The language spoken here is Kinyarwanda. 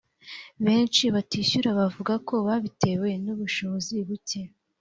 benshi batishyura bavuga ko babitewe n‘ubushobozi buke